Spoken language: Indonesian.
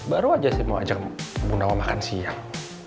baru aja saya mau ajak bunda wang makan siang